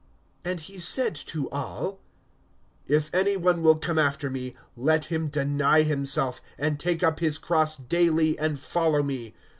(23)And he said to all: If any one will come after me, let him deny himself, and take up his cross daily, and follow me.